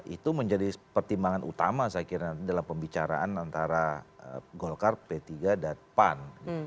itu menjadi pertimbangan utama saya kira dalam pembicaraan antara golkar p tiga dan pan